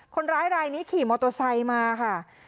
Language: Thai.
คนร้ายรายนี้ขี่มอโตซัยมาค่ะ